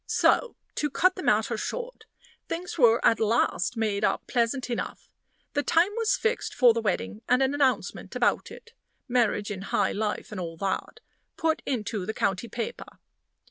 So, to cut the matter short, things were at last made up pleasant enough. The time was fixed for the wedding, and an announcement about it Marriage in High Life and all that put into the county paper.